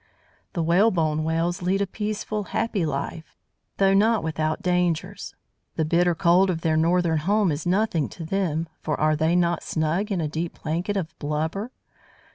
The Whalebone Whales lead a peaceful, happy life, though not without dangers. The bitter cold of their northern home is nothing to them, for are they not snug in a deep blanket of blubber?